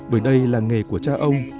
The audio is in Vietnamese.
bởi đây là nghề của cha ông